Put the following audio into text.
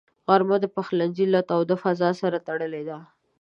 غرمه د پخلنځي له تاوده فضاء سره تړلې ده